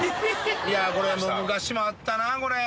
いやこれ、昔もあったな、俺。